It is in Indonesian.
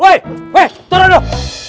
weh weh turun loh